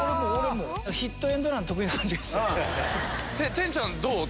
天ちゃんどう？